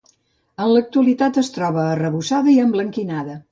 En l'actualitat es troba arrebossada i emblanquinada.